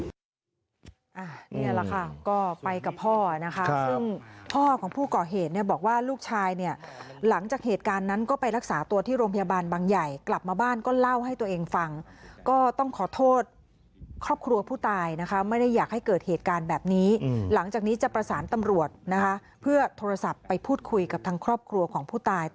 นี่แหละค่ะก็ไปกับพ่อนะคะซึ่งพ่อของผู้ก่อเหตุเนี่ยบอกว่าลูกชายเนี่ยหลังจากเหตุการณ์นั้นก็ไปรักษาตัวที่โรงพยาบาลบางใหญ่กลับมาบ้านก็เล่าให้ตัวเองฟังก็ต้องขอโทษครอบครัวผู้ตายนะคะไม่ได้อยากให้เกิดเหตุการณ์แบบนี้หลังจากนี้จะประสานตำรวจนะคะเพื่อโทรศัพท์ไปพูดคุยกับทางครอบครัวของผู้ตาย